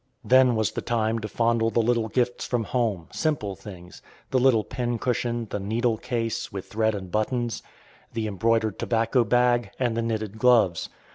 Then was the time to fondle the little gifts from home; simple things, the little pin cushion, the needle case, with thread and buttons, the embroidered tobacco bag, and the knitted gloves.